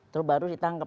terus baru ditangkap